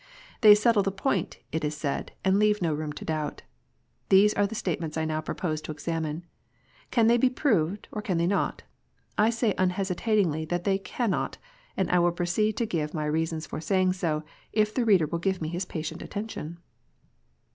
They settle the point, it is said, and leave no room to doubt. These are the statements I now propose to examine. Can they be proved, or can they not 1 I say unhesitatingly that they cannot^ and I will proceed to give my reasons for saying so, if the reader will give me his patient attention.